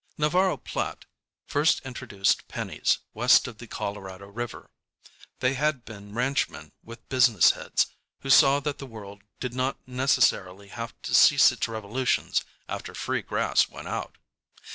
Navarro & Platt first introduced pennies west of the Colorado River. They had been ranchmen with business heads, who saw that the world did not necessarily have to cease its revolutions after free grass went out.